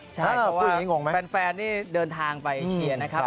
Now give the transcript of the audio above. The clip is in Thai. ใช่เพราะว่าแฟนนี่เดินทางไปเชียร์นะครับ